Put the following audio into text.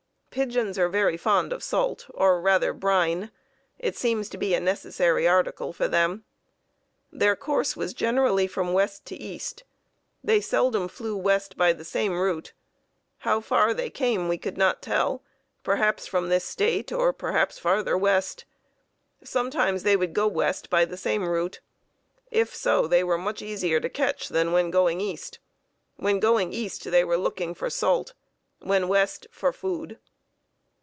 Pigeons are very fond of salt, or, rather, brine. It seems to be a necessary article for them. Their course was generally from west to east. They seldom flew west by the same route. How far they came, we could not tell; perhaps from this State or perhaps farther west. Sometimes they would go west by the same route. If so, they were much easier to catch than when going east. When going east they were looking for salt; when west, for food.